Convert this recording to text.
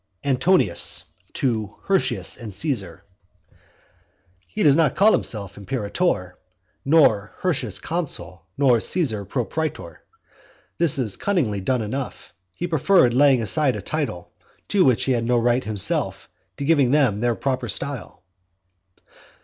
"Antonius to Hirtius and Caesar." He does not call himself imperator, nor Hirtius consul, nor Caesar pro praetor. This is cunningly done enough. He preferred laying aside a title to which he had no right himself, to giving them their proper style.